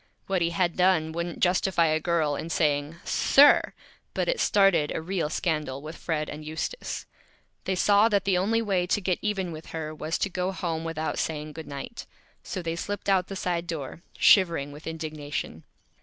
What he had done wouldn't Justify a Girl in saying, "Sir!" but it started a Real Scandal with Fred and Eustace. They saw that the Only Way to Get Even with her was to go Home without saying "Good Night." So they slipped out the Side Door, shivering with Indignation.